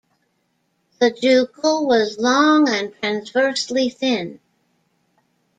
The jugal was long and transversely thin.